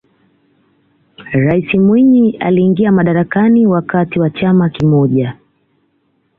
raisi mwinyi aliingia madarakani wakati wa chama kimoja